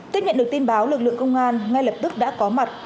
tiếp nhận được tin báo lực lượng công an ngay lập tức đã có mặt